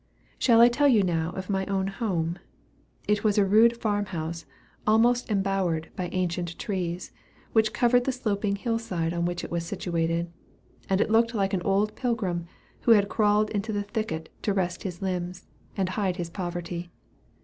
Shall I tell you now of my own home? It was a rude farm house, almost embowered by ancient trees, which covered the sloping hill side on which it was situated; and it looked like an old pilgrim, who had crawled into the thicket to rest his limbs, and hide his poverty.